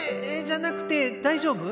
じゃなくて大丈夫？